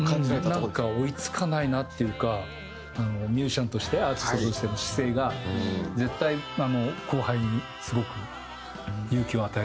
なんか追い付かないなっていうかミュージシャンとしてアーティストとしての姿勢が絶対後輩にすごく勇気を与える存在だと思います。